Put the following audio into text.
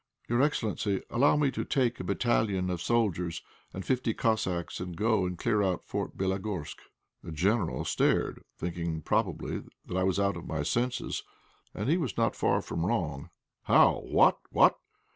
"Your excellency, allow me to take a battalion of soldiers and fifty Cossacks, and go and clear out Fort Bélogorsk." The General stared, thinking, probably, that I was out of my senses; and he was not far wrong. "How? What! what!